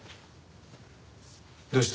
どうした？